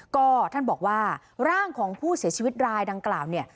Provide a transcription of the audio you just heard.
ก็ท่านบอกว่าร่างของผู้เสียชีวิตรายดังกล่าวเนี่ย